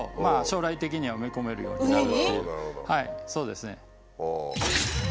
はいそうですね。